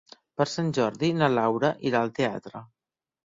Per Sant Jordi na Laura irà al teatre.